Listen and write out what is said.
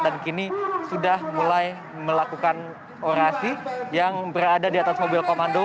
dan kini sudah mulai melakukan orasi yang berada di atas mobil komando